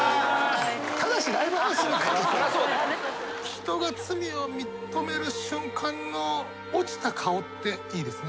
人が罪を認める瞬間の落ちた顔っていいですね。